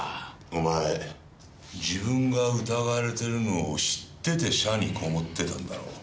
お前自分が疑われているのを知ってて社にこもってたんだろう。